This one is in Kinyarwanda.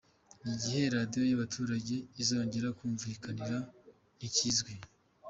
Igihe Radiyo yabaturage izongera kumvikanira ntikizwi